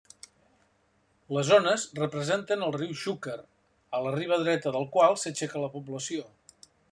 Les ones representen el riu Xúquer, a la riba dreta del qual s'aixeca la població.